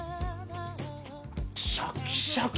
シャキシャキ！